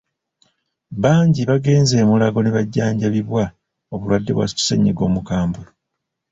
Bangi bagenze e Mulago ne bajjanjabibwa obulwadde bwa ssenyiga omukambwe.